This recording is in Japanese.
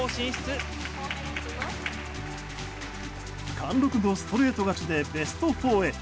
貫禄のストレート勝ちでベスト４へ。